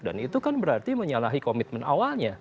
dan itu kan berarti menyalahi komitmen awalnya